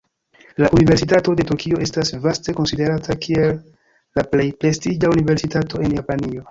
La Universitato de Tokio estas vaste konsiderata kiel la plej prestiĝa universitato en Japanio.